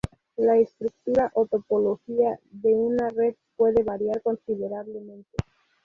La estructura o topología de una red puede variar considerablemente.